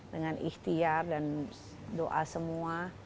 dengan ikhtiar dan doa semua